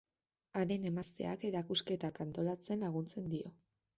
Haren emazteak erakusketak antolatzen laguntzen dio.